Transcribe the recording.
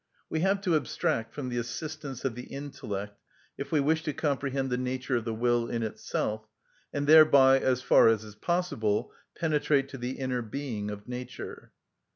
We have to abstract from the assistance of the intellect if we wish to comprehend the nature of the will in itself, and thereby, as far as is possible, penetrate to the inner being of nature.